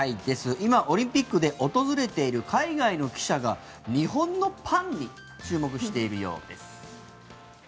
今、オリンピックで訪れている海外の記者が日本のパンに注目しているようです。